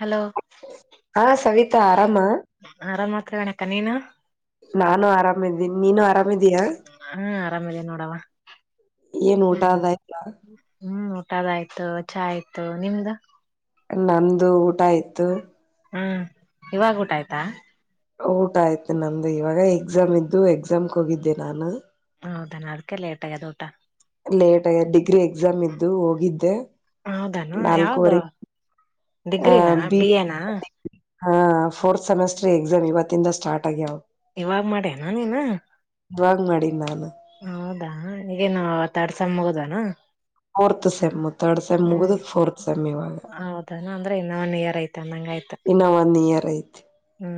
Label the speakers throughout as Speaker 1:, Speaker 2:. Speaker 1: Hello
Speaker 2: ಹಾ ಸವಿತಾ ಆರಾಮ? [inaudible]
Speaker 1: ಆರಾಮ್ ಮಾತ್ರ ಅದಿನ ಅಕ್ಕ ನೀನು? [inaudible]
Speaker 2: ನಾನು ಆರಾಮಿದೀನಿ ನೀನು ಆರಾಮಿದೀಯಾ? [inaudible]
Speaker 1: ಹ ಹೂ ಆರಾಮದಿನ ನೋಡವ. [inaudible]
Speaker 2: ಏನ್ ಊಟ ಅದು ಆಯ್ತ? [inaudible]
Speaker 1: ಹೂ ಊಟದು ಆಯ್ತು ಚಾ ಆಯ್ತು ನಿಮ್ದ? [inaudible]
Speaker 2: ನಮ್ದು ಊಟ ಆಯ್ತ. [inaudible]
Speaker 1: ಹೂ ಇವಾಗ ಊಟ ಆಯ್ತಾ? [inaudible]
Speaker 2: ಊಟ ಆಯ್ತು ನಮ್ದು ಇವಾಗ ಎಕ್ಸಾಮ್ ಇದ್ದು ಎಕ್ಸಾಮ್ ಗೇ ಹೋಗಿದ್ದೆ ನಾನ? [inaudible]
Speaker 1: ಹೌದಾ ಏನ್ ಅದಕ್ಕೆೆ ಲೇಟ್ ಆಗೆದ ಊಟ? [inaudible]
Speaker 2: ಲೇಟ್ ಆಗೇತಿ ಡಿಗ್ರಿ ಎಕ್ಸಾಮ್ ಇದ್ದು ಹೋಗಿದ್ದೆ. [inaudible]
Speaker 1: ಹೌದ ಏನ್ ಯಾವದ
Speaker 2: ನಾಲ್ಕೂವರೆ
Speaker 1: ಡಿಗ್ರಿ ನಾ ಬಿ ಎ ನಾ? [inaudible]
Speaker 2: ಹ ಫೋರ್ತ್ ಸೆಮಿಸ್ಟರ್ ಎಕ್ಸಾಮ್ ಇವತ್ತಿಂದ ಸ್ಟಾರ್ಟ್ ಆಗ್ಯಾವ? [inaudible]
Speaker 1: ಇವಾಗ ಮಾಡೆ ನಾ ನೀನ್ [inaudible]
Speaker 2: ಇವಾಗ ಮಾಡಿದ ನಾನ? [inaudible]
Speaker 1: ಹೌದಾ ಈಗೇನು ಥರ್ಡ್ ಸೆಮ್ ಮುಗದವ ಏನ್? [inaudible]
Speaker 2: Fourth sem. [inaudible] ತರ್ಡ್ ಸೆಮ್ ಮುಗದ ಫೋರ್ತ್ ಸೆಮ್ ಇವಾಗ
Speaker 1: ಹೌದಾನ ಅಂದ್ರೆ ಇನ್ನ ಒನ್ ಇಯರ್ ಐತ
Speaker 2: ಇನ್ನ ಒಂದ ಇಯರ್ ಐತಿ. [inaudible]
Speaker 1: ಹೂ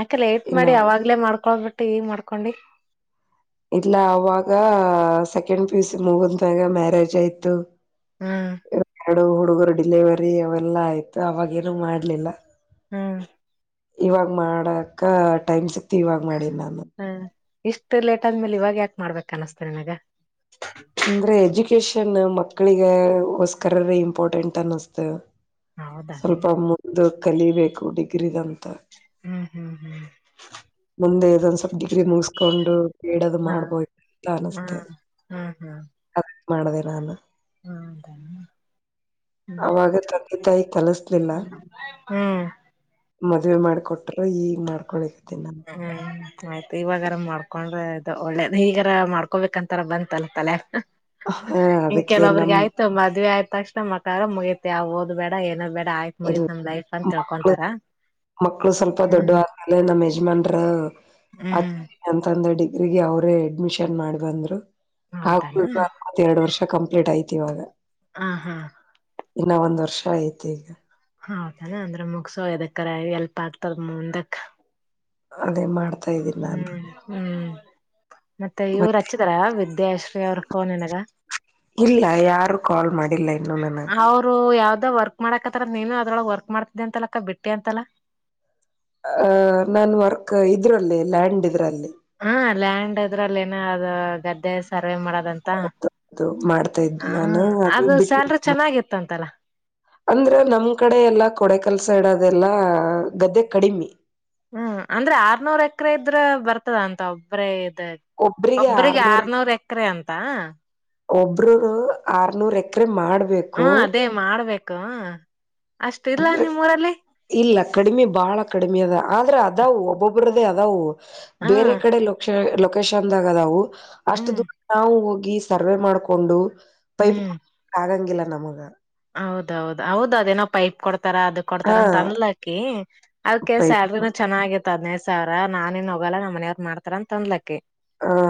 Speaker 1: ಯಾಕ ಲೇಟ್
Speaker 2: ಇನ್ನ
Speaker 1: ಮಾಡಿ ಅವಾಗಲೇ ಮಾಡಕೋಳದಬಿಟ್ಟ ಈಗ ಮಾಡಕೊಂಡಿ. [inaudible]
Speaker 2: ಇಲ್ಲ ಅವಾಗ ಸೆಕೆಂಡ್ ಪಿಯುಸಿ ಮುಗದ ಮ್ಯಾಗ ಮ್ಯಾರೇಜ್ ಆಯ್ತು. [inaudible]
Speaker 1: ಹ [inaudible]
Speaker 2: ಎಡು ಹುಡುಗರು ಡಿಲೆವರಿ ಅವ ಎಲ್ಲಾ ಆಯ್ತು ಅವಾಗೇರು ಏನು ಮಾಡಲಿಲ್ಲ? [inaudible]
Speaker 1: ಹೂ [inaudible]
Speaker 2: ಇವಾಗ್ ಮಾಡಕ್ಕ ಟೈಮ್ ಸಿಕ್ತ ಇವಾಗ್ ಮಾಡಿನೀ ನಾನು? [inaudible]
Speaker 1: ಹೂ ಇಷ್ಟ ಲೇಟ್ ಆದ್ಮೇಲೆ ಇವಾಗ ಯಾಕೆ ಮಾಡಬೇಕ ಅನಸ್ತ ನಿನಗ? [inaudible]
Speaker 2: ಅಂದ್ರೆ ಎಜುಕೇಶನ್ ಮಕ್ಕಳಿಗೆ ಹೊಸ್ಕರರೆ ಇಂಪಾರ್ಟೆಂಟ್ ಅನ್ನಸ್ತ. [inaudible]
Speaker 1: ಹೌದಾ
Speaker 2: ಸ್ವಲ್ಪ ಮುಂದ ಕಲಿಬೇಕು ಡಿಗ್ರಿ ದಂತ, [inaudible]
Speaker 1: ಹ ಹ ಹ [inaudible]
Speaker 2: ಮುಂದೆ ಇರೋದ ಸ್ವಲ್ಪ ಡಿಗ್ರಿ ಮುಗಸ [inaudible] ಕೊಂಡು ಬಿಡದು
Speaker 1: ಹಾ
Speaker 2: ಮಾಡಬೋದ ಅಂತ ಅನಸ್ತ
Speaker 1: ಹ್ಮ್ ಹ್ಮ್
Speaker 2: ಅದಕ್ಕ ಮಾಡದೆ ನಾನ? [inaudible]
Speaker 1: ಹೌದಾ? [inaudible]
Speaker 2: ಅವಾಗ ತಂದಿ ತಾಯಿ ಕಲಸಲಿಲ್ಲ? [inaudible]
Speaker 1: ಹ್ಮ್ ಹ್ಮ್
Speaker 2: ಮದ್ವೆ ಮಾಡಕೊಟ್ರ ಈಗ್ ಮಾಡ್ಕೊಳಕ್ಕತಿ ನಾ? [inaudible]
Speaker 1: ಹೌದಾ? [inaudible] ಆಯ್ತು ಇವಾಗಾರ ಮಾಡ್ಕೊಂಡ್ರೆ ಇದು ಒಳ್ಳೇದ ಈಗರ ಮಾಡ್ಕೋಬೇಕಂತಾರ ಬಂತಲ್ಲ ತಲ್ಯಾಗ?
Speaker 2: ಹ
Speaker 1: [inaudible] ಇನ್
Speaker 2: ಅದಕ್ಕೆ
Speaker 1: ಕೆಲವರಿಗೆ
Speaker 2: ನಮ್
Speaker 1: ಆಯ್ [inaudible] ತ್ತು ಮದ್ವಿ ಆದಾ ತಕ್ಷಣ ಮಕ್ಕಳ ಆದರ ಮುಗೈಯತ್ತೆ ಅ ಓದ್ ಬೇಡ ಏನೂ ಬೇಡ ಆಯ್ [inaudible]
Speaker 2: ಇಲ್
Speaker 1: ಮುಗಿತ್ತ ನಮ್ಮ ಲೈಫ್ ಅಂತ
Speaker 2: ಮಕ್ಕಳು
Speaker 1: ತಿಳ್ಕೊಂತಾರ ಹೂ [inaudible]
Speaker 2: ಅಲ್ಲೇ ನಮ್ಮ ಯಜಮಾನ್ರ ಆತ್
Speaker 1: ಹ್ಮ್
Speaker 2: ಅಂತಂದ ಡಿಗ್ರಿಗೆ ಅವ್ರೇ ಅಡ್ಮಿಷನ್ ಮಾಡ ಬಂದ್ರು
Speaker 1: ಹೌದಾನ
Speaker 2: [unintelligible] ಎರಡು ವರ್ಷ ಕಂಪ್ಲೀಟ್ ಆಯ್ತಿ ಇವಾಗ
Speaker 1: ಆ ಹಾ.
Speaker 2: ಇನ್ನಾ ಒಂದ್ ವರ್ಷ ಐತೆ ಈಗ
Speaker 1: ಹೌದನ ಅಂದ್ರೆ ಮುಗಸೋ ಎದಕರ ಹೆಲ್ಪ ಆಗ್ತದ ಮುಂದಕ್
Speaker 2: ಅದೇ ಮಾಡ್ತೆನ
Speaker 1: ಹ್ಮ್ ಹ್ಮ್ ಮತ್ತೆ ಇವ್ರು ಹಚ್ಚಿದಾರ ವಿದ್ಯಾಶ್ರೀ ಅವ್ರ ಫೋನ್ ನಿನಗ
Speaker 2: ಇಲ್ಲಾ ಯಾರು ಕಾಲ್ ಮಾಡಿಲ್ಲ ಇನ್ನು ನನಗ
Speaker 1: ಅವರು ಯಾವ್ದೊ ವರ್ಕ್ ಮಾಡಕತ್ತರಂತ ನೀನು ಅದ್ರಳ ವರ್ಕ್ ಮಾಡ್ತಿದ್ದಿ ಅಂತಲಕ್ಕ ಬಿಟ್ಟಿ ಅಂತಲ್ಲಾ
Speaker 2: ಹ ನನ್ ವರ್ಕ್ ಇದ್ರಲ್ಲಿ ಲ್ಯಾಂಡ್ ಇದ್ರಲ್ಲಿ
Speaker 1: ಹಾ ಲ್ಯಾಂಡ್ ಅದ್ರಲ್ಲಿ ಏನ ಅದ ಗದ್ದೆ ಸರ್ವೆ ಮಾಡದಂತ
Speaker 2: ಅದು ಮಾಡ್ತಾ ಇದ್ನ
Speaker 1: ಹ
Speaker 2: ನಾನು ಅದು
Speaker 1: ಸ್ಯಾಲ್ರಿ
Speaker 2: ಬಿಟ್ಟಿಲ್ಲ
Speaker 1: ಚೆನ್ನಾಗಿತ್ತಂತಲ್ಲ
Speaker 2: ಅಂದ್ರೆ ನಮ್ ಕಡೆ ಎಲ್ಲಾ ಕೊಡೆಕಲ್ ಸೈಡ್ ಅದೆಲ್ಲಾ ಗದ್ದೆ ಕಡಿಮೆ
Speaker 1: ಹ್ಮ್ ಅಂದ್ರೆ ಆರ್ನೂರ್ ಎಕರೆ ಇದ್ರ ಬರ್ತದ ಅಂತ ಒಬ್ಬ್ರೆ ಇದ ಒಬ್ರಗೆ ಆರ್ನೂರ್ ಎಕರೆ ಅಂತಾ
Speaker 2: ಒಬ್ರರು ರ ಆರ್ನೂರ್ ಎಕರೆ ಮಾಡ್ಬೇಕು
Speaker 1: ಹ್ಮ ಅದೇ ಮಾಡ್ಬೇಕ ಅಷ್ಟ ಇಲ್ಲ
Speaker 2: ಅಂದ್ರೆ
Speaker 1: ನಿಮ್ಮ್ ಊರಲ್ಲಿ
Speaker 2: ಇಲ್ಲ ಕಡಿಮೆ ಬಾಳ ಕಡಿಮೆ ಅದ ಆದ್ರೆ ಅದಾವು ಒಬ್ಬೊಬ್ರದೇ ಅದಾವು
Speaker 1: ಹ
Speaker 2: [unintelligible] ಬೇರೆ ಕಡೆ ಲೋ [unintelligible] ಲೊಕೇಶ್ನ್ದಾಗ ಅದಾವು ಅಷ್ಟು
Speaker 1: ಹ್ಮ್
Speaker 2: ದೂರ ನಾವು ಹೋಗಿ ಸರ್ವೆ ಮಾಡಕೊಂಡು ಪೈಪ್ [unintelligible] ಆಗಂಗಿಲ್ಲ ನಮಗ
Speaker 1: ಹೌದೌದ ಹೌದ ಅದೇನೋ ಪೈಪ್ ಕೊಡ್ತಾರ ಅದಕ್ ಕೊಡ್ತಾರ
Speaker 2: ಹಾ
Speaker 1: ಅಂತ ಅಂದ್ಲಾಕಿ ಅದಕ್ಕೆ
Speaker 2: ಪೈಪ್ ಹ
Speaker 1: ಸ್ಯಾಲ್ರಿನೂ ಚೆನ್ನಾಗಿ ಇತ್ ಹತ್ ಹದ್ನೈದ್ ಸಾವಿರ ನಾನೆನ್ ಹೋಗಲ್ಲ ನಮ್ಮ ಮನೆಯವರ್ ಮಾಡ್ತಾರ ಅಂತ ಅಂದ್ಲಕಿ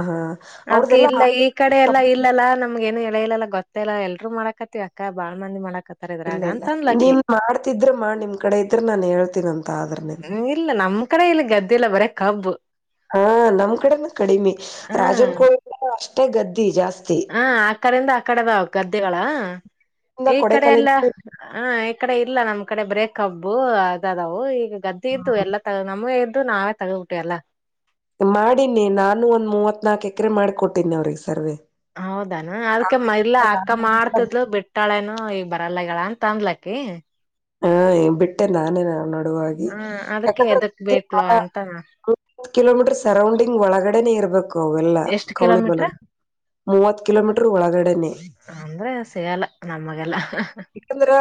Speaker 2: ಹಾ
Speaker 1: [inaudible] ಅದಕ್ಕೆ
Speaker 2: ಅವ್ರದೆಲ್ಲಾ
Speaker 1: ಇಲ್ಲ ಈ ಕಡೆ ಎಲ್ಲಾ ಇಲ್ಲಲ್ಲ ನಮ್ಗ ಏನು ಹೆಳೆ ಇಲ್ಲಲ್ ಅಕ್ಕ್ ಗೊತ್ತೇಲ್ಲಾ ಎಲ್ರು ಮಾಡಕತ್ತವಿ ಅಕ್ಕ ಬಾಳ್ ಮಂದಿ ಮಾಡಾಕತ್ತಾರ್
Speaker 2: ಇಲ್ಲ
Speaker 1: ಇದ್ರಾಗ
Speaker 2: ಇಲ್ಲ
Speaker 1: ಅಂತ ಅಂದ್ಲಕ್ಕಿ
Speaker 2: ನೀನ್ ಮಾಡ್ತಿದ್ರ ಮಾಡ್ ನಿಮ್ ಕಡೆ ಇದ್ರೆ ನಾನ್ ಹೇಳ್ತೀನ ಅಂತ ಆದ್ರನೆ
Speaker 1: ಇಲ್ಲ ನಮ್ ಕಡೆ ಇಲ್ಲಿ ಗದ್ದೆ ಇಲ್ಲ ಬರೇ ಕಬ್ಬ್
Speaker 2: ಹಾ ನಮ್ ಕಡೆನು ಕಡಿಮೆ
Speaker 1: ಹ
Speaker 2: ರಾಜನ್ ಕೋಳ ಅಷ್ಟೇ ಗದ್ದಿ ಜಾಸ್ತಿ
Speaker 1: ಹಾ ಆ ಕಡೆಯಿಂದ ಆ ಕಡೆಅದಾವ ಗದ್ದೆಗಳ
Speaker 2: ಇಂದ
Speaker 1: ಈ ಕಡೆ ಎಲ್ಲ
Speaker 2: ಕೊಡೆಕಾಲಿಂದ
Speaker 1: ಹ ಈ ಕಡೆ ಇಲ್ಲ ನಮ್ ಕಡೆ ಬರೆ ಕಬ್ಬು ಅದಾದವು ಗದ್ದೆ ಇದ್ವು ಎಲ್ಲ ತ ನಮ್ಗ ಇದ್ದು ನಾವೇ ತಗ್ಬಿಟ್ಟೆವಿ ಎಲ್ಲ
Speaker 2: ಮಾಡೀನಿ ನಾನು ಒಂದ್ ಮೂವತ್ ನಾಕ್ ಎಕರೆ ಮಾಡಿ ಕೊಟ್ಟೀನಿ ಅವ್ರಿಗೆ ಸರ್ವೆ
Speaker 1: ಹೌದನ ಅದ್ಕ ಮ ಇಲ್ಲ ಅಕ್ಕ
Speaker 2: ಹ
Speaker 1: ಮಾಡ್ತಿದ್ಲು ಬಿಟ್ಟ್ ಬಿಟ್ಟಾಳೆನು ಈಗ ಬರಲ್ಲ ಆಗೆಳ ಅಂತ ಅಂದ್ಲಕೀ
Speaker 2: ಹಾ ಬಿಟ್ಟೆ ನಾನೇ ನಡುವಾಗಿ
Speaker 1: ಹ ಅದಕ್ಕೆ
Speaker 2: ಯಾಕಂದ್ರೆ
Speaker 1: ಎದಕ್ ಬಿಟ್ಲು ಅಂತ
Speaker 2: [unintelligible] [unintelligible] ಕಿಲೋಮೀಟರ್ ಸರೌಂಡಿಂಗ್ ಒಳಗಡೆನೆ ಇರಬೇಕ್ ಅವೆಲ್ಲ
Speaker 1: ಎಷ್ಟ್
Speaker 2: ಕೌಳಿ
Speaker 1: ಕಿಲೋಮೀಟ್ರ
Speaker 2: ಬಲಗ ಮೂವತ್ ಕಿಲೋಮೀಟರ್ ಒಳಗಡೆನೆ
Speaker 1: ಅಂದ್ರೆ ಸಿಗಲ್ಲ ನಮಗೆಲ್ಲ ಹ್ ಹ್ ಹಾ
Speaker 2: ಯಾಕಂದ್ರ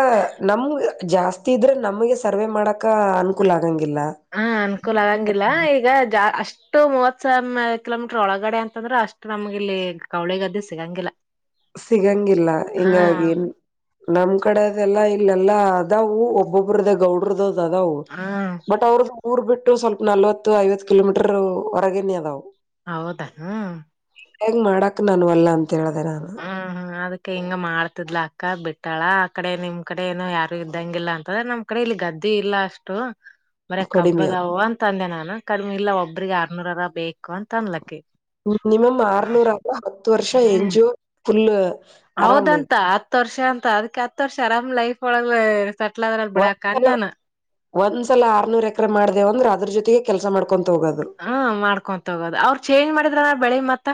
Speaker 2: ನಮ್ ಜಾಸ್ತಿ ಇದ್ರೆ ನಮಗ ಸರ್ವೆ ಮಾಡಕ ಅನುಕೂಲ ಆಗಂಗಿಲ್ಲ
Speaker 1: ಹಾ ಅನುಕೂಲ ಆಗಂಗಿಲ್ಲ ಈಗ ಜಾ ಅಷ್ಟೇ ಅಷ್ಟು ಮೂವತ್ ಸಾವಿರ ಕಿಲೋಮೀಟರ್ ಒಳಗಡೆ ಅಂತಂದ್ರೆ ಅಷ್ಟು ನಮ್ಗೆ ಇಲ್ಲಿ ಕೌಳಿ ಗದ್ದೆ ಸಿಗಂಗಿಲ್ಲ
Speaker 2: ಸಿಗಂಗಿಲ್ಲ
Speaker 1: ಹ
Speaker 2: ಹಿಂಗಾಗಿನ್ ನಮ್ ಕಡೆದೆಲ್ಲಾ ಇಲ್ಲೆಲ್ಲಾ ಅದಾವು ಒಬ್ಬೊಬ್ರದೆ ಗೌಡ್ರದ ಹೋಗ
Speaker 1: ಹ
Speaker 2: ಬಟ್ ಅವ್ರ. ಊರ್ ಬಿಟ್ಟು ಸ್ವಲ್ಪ ನಲ್ವತ್ತು ಐವತ್ತು ಕಿಲೋಮೀಟರ್ ಹೊರಗನಿ ಅದವು.
Speaker 1: ಹೌದಾ ಹ್ಮ
Speaker 2: ಹೇಗ್ ಮಾಡಕ್ ನಾನವಲ್ಲ ಅಂತ ಹೇಳ್ದ ನಾನು.
Speaker 1: ಹ್ಮ ಹ್ಮ. ಅದ್ ಹಿಂಗ ಮಾಡ್ತಿದ್ಲ ಅಕ್ಕ ಬಿಟ್ಟಾಳ ಆ ಕಡೆ ನಿಮ್ ಕಡೆ ಏನನು ಯಾರು ಇದ್ದಂಗಿಲ್ಲ ಅಂತಂದ್ರೆ ನಮ್. ಅ ಕಡೆ ಇಲ್ಲಿ ಗದ್ದೆ ಇಲ್ಲ ಅಷ್ಟು. ಮರ
Speaker 2: ಕಡಿಮೆ
Speaker 1: ಕಬ್ಬದಾವ ಅಂತ ಅಂದೆ ನಾನು ಕಡಿಮೆ ಇಲ್ಲ ಒಬ್ರಿಗೆ ಆರ್ನೂರರ ಬೇಕು ಅಂತ ಅನ್ಲಕ್ಕ.
Speaker 2: ಮಿನಿಮ್ ಆರ್ನೂರ ಅಲ್ಲವಾ ಹತ್ತು ವರ್ಷ ಎನ್
Speaker 1: ಹ್ಮ್
Speaker 2: ಜಿಒ ಫುಲ್. ಆರಾಮ್ ಇದೆ
Speaker 1: ಹೌದಂತ ಹತ್ ವರ್ಷ ಅಂತ ಅದ್ಕ ಹತ್ ವರ್ಷ ಅರಾಮ್ ಲೈಫ್ ಒಳಗ. ಸೆಟ್ಲ್ ಅದ್ರಲ್ಲಿ ಬಿಡಾಕ
Speaker 2: ಒಂದ್ಸಲ
Speaker 1: ಅಂದಾನ
Speaker 2: ಒಂದ್ಸಲ ಆರ್ನೂರ್ ಎಕರೆ ಮಾಡ್ದೇವ ಅಂದ್ರೆ ಅದ್ರ ಜೊತೆಗೆ ಕೆಲ್ಸ ಮಾಡ್ಕೊಂತ ಹೋಗೋದು
Speaker 1: ಹ್ಮ ಮಾಡ್ಕೊಂತ ತೋಗೋದು ಅವ್ರರು ಚೇಂಜ್ ಮಾಡಿದ್ರ ನ ಬೆಳಿಗ್ ಮತ್ತ.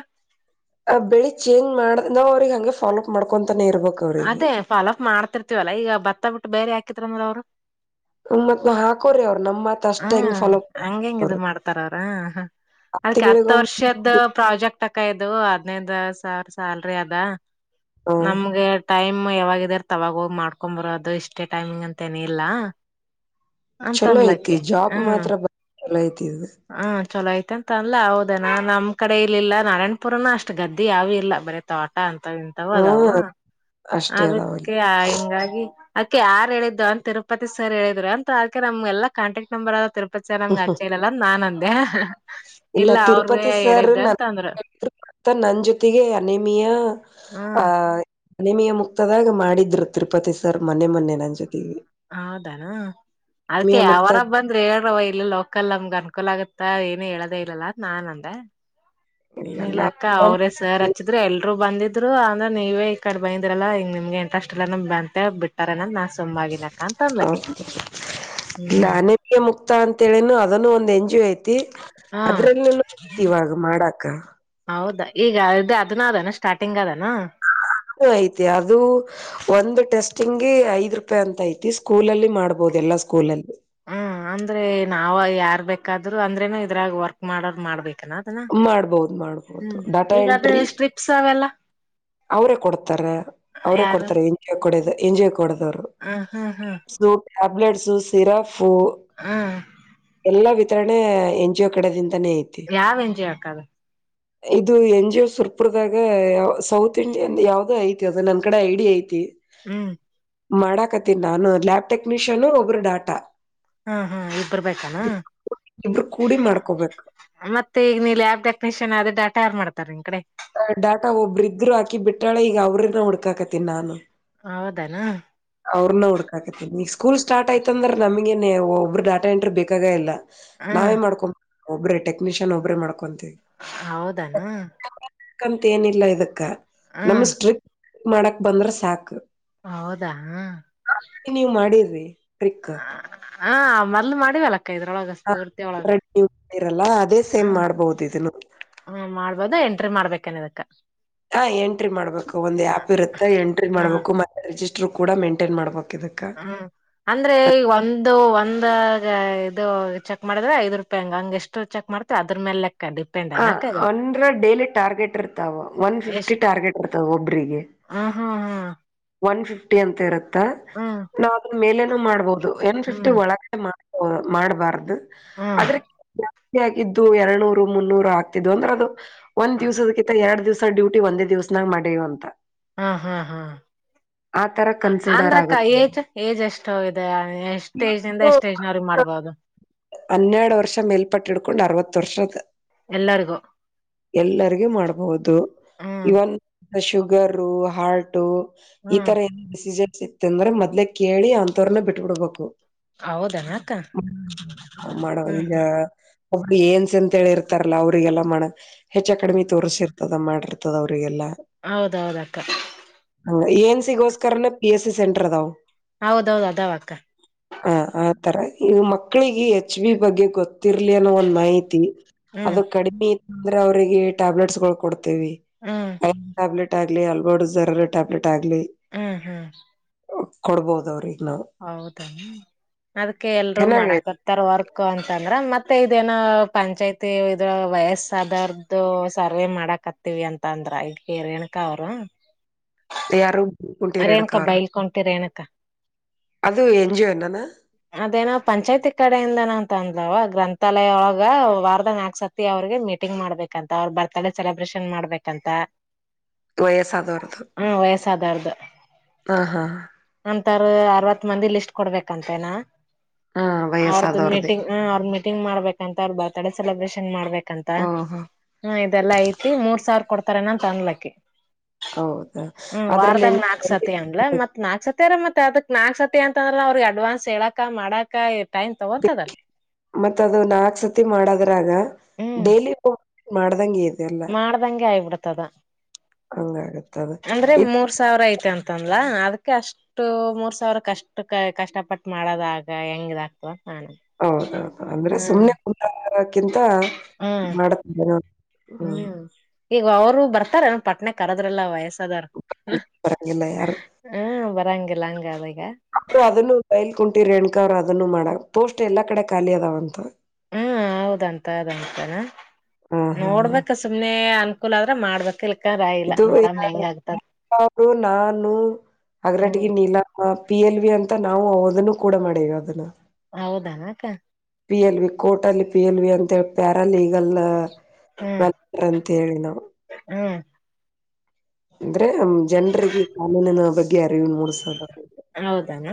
Speaker 2: ಆ ಬೆಳಿ ಚೇಂಜ್ ಮಾಡ್ ನಾವ್ ಅವ್ರಿಗೆ ಹಂಗೆ ಫಾಲೋ ಅಪ್ ಮಾಡ್ಕೊಂತಾನೇ ಇರ್ಬೇಕು.
Speaker 1: ಅದೇ ಫಾಲೋ ಅಪ್ ಮಾಡ್ತಿರ್ತಿವಲ್ಲಾ ಈಗ ಬತ್ತ ಬಿಟ್ಟು ಬೇರೆ ಹಾಕಿದ್ರಂದ ಅವ್ರು.
Speaker 2: ನಮ್ಮತ್ ನ ಹಾಕೋರಿ ಅವ್ ನಮ್ಮತ್.
Speaker 1: ಹ್ಮ್ ಹಂಗ ಹೆಂಗದು ಮಾಡ್ತಾರ ಅವ್ರ ಅದ್ಕ್ಕೆ ಹತ್ತು
Speaker 2: ತಿಂಗಳಿಗೊಮ್ಮ
Speaker 1: ವರ್ಷದ ಪ್ರಾಜೆಕ್ಟ್. ತಕ ಇದು ಹದ್ನೈದು ಸಾವಿರ ಸಲ್ರಿ ಅದ
Speaker 2: ಹ
Speaker 1: ನಮಗೆ ಟೈಮ್. ಯಾವಾಗಿದಾರ ತಗಾಗೋಗ್ ಮಾಡ್ಕೊ್ ಬರೋ ಅದು ಇಷ್ಟೇ ಟೈಮಿಂಗ್ ಅಂತೇನ ಇಲ್ಲ..
Speaker 2: ಚಲೋ ಐತಿ
Speaker 1: ಅಂತನ್ಲಕ್ಕೆ
Speaker 2: ಜಾಬ್ ಮಾತ್ರ ಬ ಚಲೋ ಐತಿ.
Speaker 1: ಹ ಚಲೋ ಆಯ್ತ ಅಂತ ಅಲ್ಲ ಹೌದೇನಾ ನಮ್ ಕಡೆ ಇಲ್ಲಿಲ್ಲ ನಾರಾಯಣಪುರನ ಅಷ್ಟ್ ಗದ್ದಿ ಯಾವ ಇಲ್ಲ ಬರೀ ತೋಟ. ಕಾಣಂತ ತಿಂತ
Speaker 2: ಹಾ
Speaker 1: ಹದಾವ
Speaker 2: ಅಷ್ಟೇ ಅದಾವಲ್ಲಿ
Speaker 1: ಅದಕ್ಕೆ ಆ ಹಿಂಗಾಗಿ. ಅದಕ ಯಾರ ಹೇಳಿದ್ದು ಅಂತ ತಿರುಪತಿ ಸರ್ ಹೇಳಿದ್ರು ಅಂತ ಅದ್ಕ ನಮ್ಗೆಲ್ಲ ಕಾಂಟೆಕ್ಟ್. ನಂಬರ್ದ ತಿರುಪತಿಯ ನಂಗೆ ಅಚ್ಚೆಲಲ್ಲ ನಾನ್ ಅಂದೆ.
Speaker 2: ಇಲ್ಲ
Speaker 1: ಅವ್ರೇ
Speaker 2: ತಿರುಪತಿ ಸರ್
Speaker 1: ಹೇಳಿದ್ದ ಅಂತ ಅಂದ್ರು
Speaker 2: ನರು ನನ್ ಜೊತೆಗೆ ಅನೇಮಿಯಾ.
Speaker 1: ಹ್ಮ
Speaker 2: ಮನೆ ಮೀ ಮುಕ್ತದಾಗ ಮಾಡಿದ್ರು ತಿರುಪತಿ ಸರ್ ಮನೆ ಮೊನ್ನೆ ನನ್ ಜೊತೆಗೆ.
Speaker 1: ಹೌದಾನ ಅದ್ಕ
Speaker 2: ಅನಿಮಿಯ ಮುಕ್ತ
Speaker 1: ಅವರ ಬಂದ್ರೆ ಹೇಳರ ವಯ. ಇಲ್ಲ ಲೋಕಲ್ ನಮ್ಗ ಅನ್ಕೋಲ್ ಆಗತ್ತ ಏನ ಹೇಳದೇ ಇಲ್ಲಲ್ಲ ನಾನ್ ಅಂದೆ........
Speaker 2: ಇಲ್ಲ
Speaker 1: ಅ
Speaker 2: ನಾ
Speaker 1: ಅವ್ರೇ ಸರ್ ಹಚ್ಚಿದ್ರು ಎಲ್ರು ಬಂದಿದ್ರು ಅಂದ್ರೆ ನೀವ ಈ ಕಡೆ ಬೈಂದಿದ್ರಲ್ಲಾ ಈಂಗ್ ನಿಮ್ಗೆ ಇಂಟ್ರೆಸ್ಟ್. ಬಂತೆ ಬಿಟ್ಟಾರನಂದ ನಾನ್ ಸುಮ್ಮಗಿನಕ್ಕ ಅಂತ ಅನ್ಲಕ್ಕಿ ಹ್ಮ್.
Speaker 2: ಮುಕ್ತಾ ಅಂತನನು ಅದನ್ನು ಒಂದ್ ಎಂ ಜಿ ಯತಿ.
Speaker 1: ಹಾ
Speaker 2: ಅದ್ರಲ್ಲತಿ ಇವಾಗ ಮಾಡಾಕ.
Speaker 1: ಹೌದಾ ಈಗ ಇದು ಅದನ ಅದಾನ ಸ್ಟಾರ್ಟಿಂಗ್ ಅದಾನ.
Speaker 2: ಅದು ಆಯಿತಿ ಅದು..... ಒಂದು ಟೆಸ್ಟಿಂಗಗೆ ಐದ್ ರೂಪಾಯಿ ಅಂತ ಐತಿ ಸ್ಕೂಲಲ್ಲಿ ಮಾಡ್ಬಹದು ಎಲ್ಲಾ ಸ್ಕೂಲಲ್ಲಿ.
Speaker 1: ಹ್ಮ ಅಂದ್ರೆ ನಾವ ಯಾರ್ ಬೇಕಾದ್ರು ಅಂದ್ರೇನು ಇದ್ರಾಗ ವರ್ಕ್ ಮಾಡೋರ್ ಮಾಡ್ಬೇಕನ.
Speaker 2: ಮಾಡ್ಬೋದು ಮಾಡ್ಬೋದು
Speaker 1: ಹ್ಮ್
Speaker 2: ಡಾಟಾ
Speaker 1: ಈಗ ಅದೇ ಸ್ಟ್ರಿಪ್ಸ್ ಅವೆಲ್ಲ.
Speaker 2: ಅವ್ರೇ ಕೊಡ್ತಾರೆ ಅವ್ರೇ
Speaker 1: ಯಾರು
Speaker 2: ಕೊಡ್ತಾರೆ ಎಂಜಿ ಕೊಡ ಎಂಜಿ ಕೊಡದವ್ರು.
Speaker 1: ಹ ಹಾ ಹಾ.
Speaker 2: ಸೂಪ್ ಟೇಬ್ಟ್ಸ್ ಸಿರಪ್
Speaker 1: ಹ್ಮ್
Speaker 2: ಎಲ್ಲಾ... ಈತ್ರೇ ಎನ್ ಜಿ ಕಡೆದಿಂದಾನೆ ಇಐತ್ತು.
Speaker 1: ಯಾವ ಎಂಜಿ ಹಾಕದ.
Speaker 2: ಇದು ಎನ್ ಜಿ ಸಹುರ್ಪಿಡ್ದಾಗ ಸೌತ್. ತಿಂಡಿ ಯಾವ್ದೋ ಐತಿ ಅದ ನನ್ ಕಡೆ ಐಡಿಯಿ ಐತಿ.
Speaker 1: ಹ್ಮ್.
Speaker 2: ಮಾಡಾಕತ್ತನೀ ನಾನು ಲ್ಯಾಬ್ ಟೆಕ್ನಿಷಿಯನ್ ಒಬ್ಬರು ಡಾಟಾ
Speaker 1: ಹಾ ಹಾ ಇಬ್ಬರ್ಬೇಕಾನ
Speaker 2: ಇಬ್ರು ಕೂಡಿ ಮಾಡ್ಕೋಬೇಕು
Speaker 1: ಮತ್ತೆ ಈಗ ನೀ ಲ್ಯಾಬ್ ಟೆಕ್ನಿಷಿಯನ್ ಅದೇ ಡಾಟಾ ಯಾರು ಮಾಡ್ತಾರ ನಿನ್ನ ಕಡೆ
Speaker 2: ಡಾಟಾ ಒಬ್ಬರೂ ಇದ್ದರೂ ಹಾಕಿ ಬಿಟ್ಟಾಳೆ ಈಗ ಅವ್ರ ಹುಡ್ಕಾಕತಿನಿ ನಾನು
Speaker 1: ಹೌದನಾ
Speaker 2: ಅವ್ರನ ಹುಡ್ಕಾಕತ್ತನ್ ನೀ ಸ್ಕೂಲ್ ಸ್ಟಾರ್ಯ್ತಂದ್ರ ನಮಗೇನೆ ಒಬ್ಬರು ಡಾಟ ಎಂಟ್ರಿ ಬೇಕಾಗ ಇಲ್ಲ
Speaker 1: ಹ್ಮ್
Speaker 2: ನಾವೇ ಮಾಡ್ಕೊ ಒಬ್ರೇ ಟೆಕ್ನಿಷಿಯನ್ ಒಬ್ರೇ ಮಾಡ್ಕೊಂತೀವಿ
Speaker 1: ಹೌದಾನ
Speaker 2: ಅಂತ ಏನಿಲ್ಲ ಇದಕ್ಕ
Speaker 1: ಹ
Speaker 2: ನಮ್ಮ ಸ್ಟ್ರಿಕ್ ಮಾಡಕ್ ಬಂದ್ರ ಸಾಕು
Speaker 1: ಹೌದಾ
Speaker 2: ನೀವ್ ಮಾಡಿದ್ರಿ ಟ್ರಿಕ್
Speaker 1: ಹಾ ಮದ್ಲು ಮಾಡಿವಲ್ಲಕ್ಕ ಇದ್ರೊಳಗೆ
Speaker 2: ಹ ಇರಲ್ಲ ಅದೇ ಸೇಮ್ ಮಾಡ್ಬೋದು ಇದನ್ನು
Speaker 1: ಹ್ಮ ಮಾಡ್ಬೋದು ಎಂಟ್ರಿ ಮಾಡ್ಬೇಕನ್ ಇದಕ್ಕ
Speaker 2: ಹಾ ಎಂಟ್ರಿ ಮಾಡ್ಬೇಕು ಒಂದ್ ಆ್ಯಪ್ ಇರುತ್ತೆ ಎಂಟ್ರಿ
Speaker 1: ಹ
Speaker 2: ಮಾಡ್ಬೇಕು ಮತ್ತೆ ರಿಜಿಸ್ಟರ್ ಕೂಡ ಮೇಂಟೈನ್ ಮಾಡಬೇಕ್ ಇದಕ್ಕೆ
Speaker 1: ಹಾ ಅಂದ್ರೆ ಈ ಒಂದು ಒಂದ ಇದು ಚೆಕ್ ಮಾಡಿದ್ರೆ ಐದ್ ರೂಪಾಯಿ ಹಂಗ ಹಂಗ ಎಷ್ಟು ಚೆಕ್ ಮಾಡ್ ಅದ್ರ ಮೇಲೆ ಕಡಿ
Speaker 2: ಹ ಒಂದರ ಡೇಲಿ ಟಾರ್ಗೆಟ್ ಇರ್ತಾವ ಒನ್ ಫಿಫ್ಟಿ
Speaker 1: ಎಷ್ಟ್
Speaker 2: ಟಾರ್ಗೆಟ್ ಇರ್ತಾವ ಒಬ್ರಿಗೆ
Speaker 1: ಹ ಹಾ ಹಾ
Speaker 2: ಒನ್ ಫಿಫ್ಟಿ ಅಂತ ಇರುತ್ತಾ
Speaker 1: ಹ್ಮ್
Speaker 2: ನಾವವು ಅದನ್ ಮೇಲೆನ ಮಾಡ್ಬೋದು ಒನ್ ಫಿಫ್ಟಿ
Speaker 1: ಹ್ಮ್
Speaker 2: ಒಳಗ ಮಾಡ ಮಾಡಬಾರ್ದು
Speaker 1: ಹ್ಮ್
Speaker 2: ಅದ್ರಕ್ಕೆ ಆಗಿದ್ದು ಎರಡುನೂರು ಮುನ್ನೂರು ಆಗ್ತಿದ್ದು ಅಂದ್ರೆ ಅದು ಒಂದ್ ದಿವಸಕ್ಕಿ ಎರಡು ದಿವಸ ಡ್ಯೂಟಿ ಒಂದೇ ದಿವ್ಸನಾಗ ಮಾಡೇವ ಅಂತ
Speaker 1: ಹಾ ಹಾ ಹಾ
Speaker 2: ಆತರ ಕ
Speaker 1: ಅಂದ್ರಕ್ಕ ಏಜ್ ಏಜ್ ಎಷ್ಟೋಗಿದೆ ಎಷ್ಟ್ ಏಜ್ಂದ ಎಷ್ಟ ಏಜ್ನವ್ರಿಗೆ ಮಾಡ್ಬೋದು
Speaker 2: ಹನ್ನೆರಡು ವರ್ಷ ಮೇಲ್ಪಟ್ಟ ಇಡ್ಕೊಂಡ್ ಅರವತ್ತು ವರ್ಷದ
Speaker 1: ಎಲ್ಲರಿಗೂ
Speaker 2: ಎಲ್ಲರಿಗ ಮಾಡ್ಬಹುದು
Speaker 1: ಹ್ಮ್
Speaker 2: ಇವನ್ ಶುಗರು ಹಾರಟು ಈ
Speaker 1: ಹ್ಮ್
Speaker 2: ತರ ಏನ ಡಿಸೀಜಸ್ ಇ ಅಂದ್ರೇ ಮೊದಲೆ ಕೇಳಿ ಅಂತವ್ರನ ಬಿಟ್ಬಡ್ಬೇಕು
Speaker 1: ಹೌದನಾ ಅಕ್ಕ
Speaker 2: ಹ ಮಾಡಣವ ಈಗ ಒಬ್ರು ಏನ್ಸ ಅಂತ ಹೇಳಿ ಇರ್ತಾರಲ್ಲಾ ಅವ್ರಿಗೆಲ್ಲ ಮಾಡಣ ಹೆಚ್ಚ್
Speaker 1: ಹ್ಮ್
Speaker 2: ಅಕಾಡೆಮಿ ತೋರ್ರಿಸಿರ್ತದ ಮಾಡಿರ್ತದ ಅವ್ರರಿಗೆಲ್ಲಾ
Speaker 1: ಹೌದೌದ ಅಕ್ಕ
Speaker 2: ಹಂಗ ಏನ್ಸ್ ಸಿಗೋಸ್ಕರನ ಪಿ ಎಸ್ ಸಿ ಸೆಂಟರ್ ಅದಾವ್
Speaker 1: ಹೌದೌದು ಅದಾವ ಅಕ್ಕ
Speaker 2: ಹಾ ಆತರ ಇ ಮಕ್ಕಳಿಗೆ ಎಚ್ ವಿ ಬಗ್ಗೆ ಗೊತ್ತಿರ್ಲಿ ಅನ್ನೋ ಒಂದ್ ಮಾಹಿತಿ
Speaker 1: ಹ್ಮ್
Speaker 2: ಅದು ಕಡಿ ಅಂದ್ರೆ ಅವರಿಗೆ ಟ್ಯಾಬ್ಲೆಟ್ಸ್ಗಳು ಕೊಡ್ತೇವಿ
Speaker 1: ಹ್ಮ್
Speaker 2: ಐರನ್ ಟ್ಯಾಬ್ಲೆಟ್ ಆಗ್ಲಿ ಅಲ್ ಬರ್ ಜರ ಟ್ಯಾಬ್ಲೆಟ್ ಆಗ್ಲಿ
Speaker 1: ಹ್ಮ್ ಹ್ಮ್
Speaker 2: ಕೊಡ್ಬಹುದು ಅವರಿಗೇ ನಾವು
Speaker 1: ಹೌದ ಅದಕ್ಕೇ ಎಲ್ರು ಮಾಡಕ
Speaker 2: ಚೆನ್ನಾಗೈತಿ
Speaker 1: ತರ ವರ್ಕ್ ಅಂತಂದ್ರ ಮತ್ತೆ ಇದೇನ ಪಂಚಾಯಿತಿ ಇದ್ರ ವಯಸ್ಸ್ ಆದೌರ್ದ್ ದು ಸರ್ವೆೇ ಮಾಡಕತ್ತೀವಿ ಅಂತ ಅಂದ್ರ ಇಟ್ಗಿ ರೇಣುಕಾ ಅವರು.
Speaker 2: ಯಾರು ಕುಟೀ ರೇಣುಕಾ ಅವರು
Speaker 1: ಬೈಲ್ಕೊಂಟಿ ರೇಣುಕಾ
Speaker 2: ಅದು ಎಂಜೋ [unintelligible]
Speaker 1: ಅದೇನೋ ಪಂಚಾಯತಿ ಕಡೆಯಿಂದನ ಅಂತ ಅಂದ್ಲವ ಗ್ರಂಥಾಲಯ ಒಳಗ ವಾರದಂಗಹ ನಾಕ್ಸತ್ ಅವ್ರಿಗೆ ಮೀಟಿಂಗ್ ಮಾಡ್ಬೇಕಂತ ಅವ್ರರ ಬರ್ತ್ಡೇ ಸೆಲೆಬ್ರೇಷನ್ ಮಾಡ್ಬೇಕಂತ.
Speaker 2: ವಯಸ್ಸ ಅದೋರ್ದು
Speaker 1: ಹ್ಮ ವಯಸ್ಸಾದವ್ರ್ದು
Speaker 2: ಹ ಹ.
Speaker 1: ಅಂತಾರ ಅರವತ್ ಮಂದಿ ಲಿಸ್ಟ್ ಕೊಡ್ಬೇಕಂತೇನಾ.
Speaker 2: ಹಾ
Speaker 1: ಅವ್ರದು
Speaker 2: ವಯಸ್ಸಾದವ್ರದ್ದೇ
Speaker 1: ಮೀಟಿಂಗ್, ಹ ಅವ್ರ ಮೀಟಿಂಗ್ ಮಾಡ್ಬೇಕಂತ. ಅವ್ರ ಬರ್ತ್ಡೇ ಸೆಲೆಬ್ರೇಷನ್ ಮಾಡ್ಬೇಕಂತ.
Speaker 2: ಹ ಹಾ
Speaker 1: ಹ್ಮ್ ಇದೆಲ್ಲಾ ಐತಿ ಮೂರ್ ಸಾವಿರ ಕೊಡ್ತಾರ ಏನ ಅಂತ ಅದ್ಲಕ್ಕಿ.
Speaker 2: ಹೌದಾ
Speaker 1: ಹ್ಮ್ ವಾರದ್ಗ
Speaker 2: ಅದ್ರಲ್ಲಿ
Speaker 1: ನಾಕ್ ಸತಿ ಅದ್ಲ ಮತ್ ನಾಕ್ ಸತಿ ಅರೆ ಮತ್ ಅದಕ್ ನಾಕ್ ಸತಿ ಅಂತಂದ್ರ ಅವ್ರಿಗೆ ಅಡ್ವಾನ್ಸ್ ಹೇಳಕ ಮಾಡಕ ಟೈಮ್ ತೊಗೊತದ.
Speaker 2: ಮತ್ತ ಅದು ನಾಲ್ಕ ಸತಿ ಮಾಡದ್ರಾಗ
Speaker 1: ಹ್ಮ್
Speaker 2: ಡೇಲಿ ಕುಕ್ ಮಾಡ್ದಂಗೆ ಇದೆಲ್ಲ.
Speaker 1: ಮಾಡ್ದಂಗೆ ಆಯಿ ಬಿಡ್ತದ.
Speaker 2: ಹಂಗ ಆಗತ್ತದ.
Speaker 1: ಅಂದ್ರೆ ಮೂರ್ ಸಾವಿರ ಐತೆ ಅಂತಂದಲಾ ಅದಕ್ಕೆ ಅಷ್ಟ ಇಷ್ಟು ಮೂರ್ ಸಾವಿರ ಕಷ್ಟ ಕಷ್ಟಪಟ್ಟ ಮಾಡದಾಗ ಹೆಂಗ ಇದ್ ಆಗ್ತದ ಅಂತ ನಾನ್.
Speaker 2: ಹೌದೌದು ಅಂದ್ರೆ ಸುಮ್ನೆ ಕುಂದ್ರಕ್ಕಿಂತ
Speaker 1: ಹ್ಮ್
Speaker 2: ಮಾಡತೇ ನಾ [inaudible]
Speaker 1: ಹ್ಮ್ ಈಗ ಅವರು ಬರ್ತಾರ ಪಟ್ಣ ಕರದ್ರಲ್ಲ ವಯಸ್ಸದೌರು.
Speaker 2: ಬರಂಗಿಲ್ಲ ಯಾರು
Speaker 1: ಹ್ಮ ಬರಂಗಿಲ್ಲ ಹಂಗ ಆದ್ ಈಗ್.
Speaker 2: ಅದನ್ನು ಬಯಲ್ ಕುಂಟಿರ ರೇಣುಕಾ ಅವರು ಅದನ್ನು ಮಾಡ ಪೋಸ್ಟ್ ಎಲ್ಲಾ ಕಡೆ ಖಾಲಿ ಅದಾವಂತ.
Speaker 1: ಹ್ಮ ಹೌದಂತ ಅದಂತನಾ
Speaker 2: ಹಾ ಹಾ ಹಾ
Speaker 1: ನೋಡ್ಬೇಕ. ಸುಮ್ನೆ ಅನುಕೂಲ ಆದ್ರೆ ಮಾಡ್ಬೇಕ. ಇಲ್
Speaker 2: [unintelligible] ನಾನು
Speaker 1: ಹ್ಮ್
Speaker 2: ಹಗರಟಗಿ ನೀಲ ಹ ಪಿ ಎಲ್ ವಿ ಅಂತ ನಾವು ಅದನ್ನು ಕೂಡ ಮಾಡೇವಿ ಅದನ್ನ.
Speaker 1: ಹೌದಾನ ಅಕ್ಕ.
Speaker 2: ಪಿ ಎಲ್ ವಿ ಕೋರ್ಟ್ ಅಲ್ಲಿ ಪಿ ಎಲ್ ವಿ ಅಂತ ಹೇಳಿ ಪ್ಯಾರ ಲೀಗಲ್. [unintelligible] ಅಂತ ಹೇಳಿ ನಾವು.
Speaker 1: ಹ್ಮ.
Speaker 2: ಅಂದ್ರೆ ಜನರಿಗೆ ಕಾನೂನಿನ ಬಗ್ಗೆ ಅರಿವಿ ಮೂಡಸದ.
Speaker 1: ಹೌದನ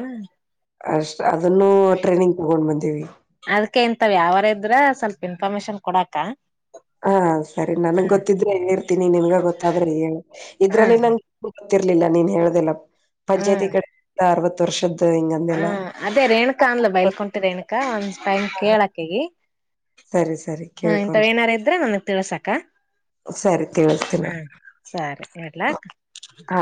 Speaker 2: ಅಷ್ಟ ಅದನ್ನು ಟ್ರೈನಿಂಗ್ ತಗೊಂಡ್ ಬಂದೀವಿ.
Speaker 1: ಅದ್ಕ ಇಂತವ್ ಯಾವಾರ ಇದ್ರ ಸ್ವಲ್ಪ್ ಇನ್ಫಾರ್ಮೇಶನ್ ಕೊಡಕ.
Speaker 2: ಹಾ ಸರಿ ನನ್ಗ್ ಗೊತ್ತಿದ್ರೆ ಹೇಳೀರ್ತಿನಿ ನಿನ್ಗಾ ಗೊತ್ತಾದ್ರ ನೀ
Speaker 1: ಹ್ಮ್
Speaker 2: ಹೇಳು. ಗೊತ್ತಿರ್ಲಿಲ್ಲ ನೀನ್ ಹೇಳ್ದಲ್ಲ ಪಂಚಾಯತಿ
Speaker 1: ಹ್ಮ್
Speaker 2: ಕಡೆ ಇಂದ ಅರವತ್ತು ವರ್ಷದ್ದ ಹಿಂಗಂದೆಲ್ಲ.
Speaker 1: ಹ್ಮ್ ಅದೇ ರೇಣುಕಾ ಅಂದಲ ಬೈಲ್ಕಂಟಿ ರೇಣುಕಾ ಒಂದ್ ಟೈಮ್ ಕೇಳ ಅಕಿಗಿ.
Speaker 2: ಸರಿ ಸರಿ
Speaker 1: ಹ್ಮ
Speaker 2: ಕೇಳ್ಕೊಂಡ
Speaker 1: ಇಂತವ್ ಏನಾರ್ ಇದ್ರ ನನಗ್ ತಿಳ್ಸ ಅಕ್ಕ.
Speaker 2: ಸರಿ ತಿಳಿಸ್ತೀನ
Speaker 1: ಹ್ಮ ಸರಿ ಇಡ್ಲಾಕ್ಕ.
Speaker 2: ಹಾ